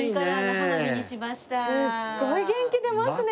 すっごい元気出ますね！